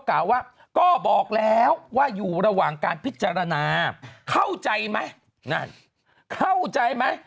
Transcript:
กล่าวว่าก็บอกแล้วว่าอยู่ระหว่างการพิจารณาเข้าใจไหมนั่นเข้าใจไหม